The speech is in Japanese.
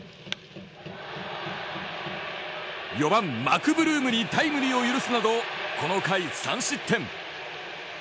４番、マクブルームにタイムリーを許すなどこの回、３失点。